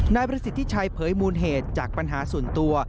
นายประสิทธิชัยเผยมูลเหตุจากปัญหาส่วนตัว